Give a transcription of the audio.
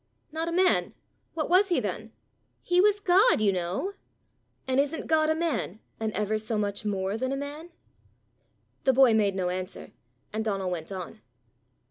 "Not a man! What was he then?" "He was God, you know." "And isn't God a man and ever so much more than a man?" The boy made no answer, and Donal went on.